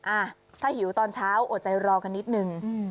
อ่ะถ้าหิวตอนเช้าอดใจรอกันนิดนึง